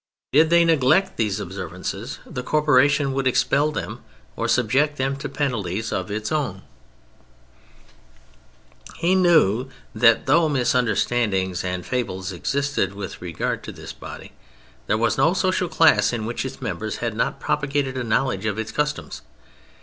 Did they neglect these observances, the corporation would expel them or subject them to penalties of its own. He knew that though misunderstandings and fables existed with regard to this body, there was no social class in which its members had not propagated a knowledge of its customs.